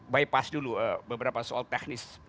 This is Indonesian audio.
bypass dulu beberapa soal teknis